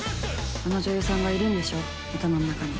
あの女優さんがいるんでしょ頭の中に。